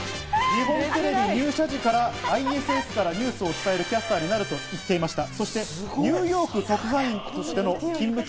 日本テレビ入社時からニュースを伝えるキャスターになると言っていました。